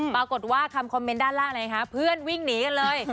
ปรากฏว่าคำคอมเมนต์ด้านล่างอะไรคะเพื่อนวิ่งหนีกันเลย